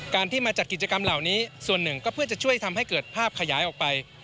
ที่มาจัดกิจกรรมเหล่านี้ส่วนหนึ่งก็เพื่อจะช่วยทำให้เกิดภาพขยายออกไป